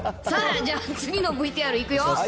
じゃあ次のＶＴＲいくよ。